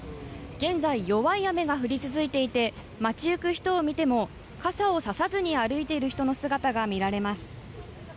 現在、弱い雨が降り続いていて街行く人を見ても、傘をささずに歩いている人の姿が見られます。